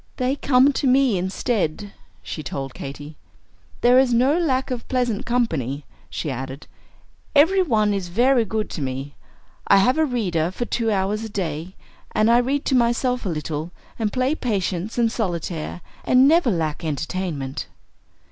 "They come to me instead," she told Katy. "There is no lack of pleasant company," she added; "every one is very good to me. I have a reader for two hours a day, and I read to myself a little, and play Patience and Solitaire, and never lack entertainment."